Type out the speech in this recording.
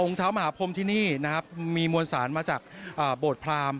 องค์เท้ามหาพรมที่นี่มีมวลศาลมาจากโบร์ดพราม